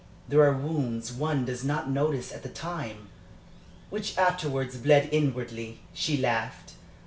There are wounds one does not notice at the time " "Which afterwards bleed inwardly?" She laughed.